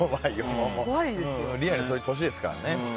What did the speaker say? リアルにそれ年ですからね。